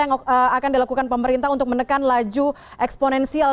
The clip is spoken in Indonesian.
yang akan dilakukan pemerintah untuk menekan laju eksponensial